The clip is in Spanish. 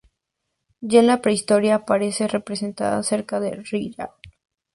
Ya en la prehistoria aparece representada cerca de Riyad.